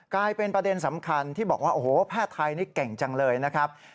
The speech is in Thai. กลายเป็นประเด็นสำคัญที่บอกว่าโอ้โหแพทย์ไทยนี่เก่งจังเลยนะครับ